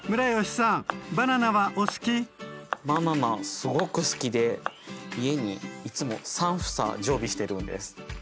すごく好きで家にいつも３房常備してるんです。